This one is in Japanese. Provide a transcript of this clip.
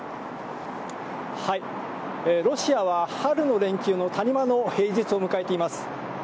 ロシアは、春の連休の谷間の平日を迎えています。